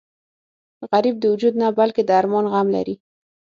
غریب د وجود نه بلکې د ارمان غم لري